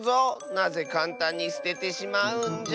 なぜかんたんにすててしまうんじゃ！